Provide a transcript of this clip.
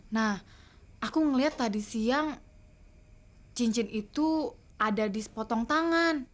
nah aku ngeliat tadi siang cincin itu ada di sepotong tangan